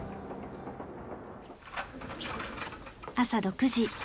朝６時。